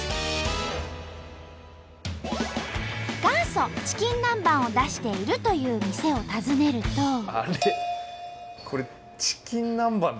元祖チキン南蛮を出しているという店を訪ねると。